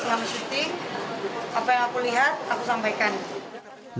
alhamdulillah apa yang aku lihat aku sampaikan